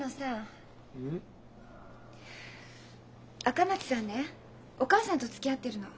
赤松さんねお母さんとつきあってるの。